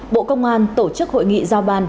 bộ công an tổ chức hội nghị giao ban